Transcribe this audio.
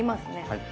はい。